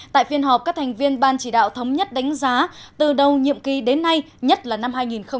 tại phiên họp các thành viên ban chỉ đạo thống nhất đánh giá từ đầu nhiệm kỳ đến nay nhất là năm hai nghìn một mươi tám